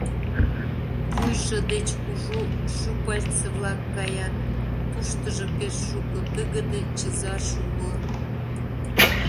Вуйжо деч кужу щупальце-влак каят, туштыжо пеш шуко тыгыде чызаш уло.